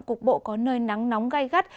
cục bộ có nơi nắng nóng gai gắt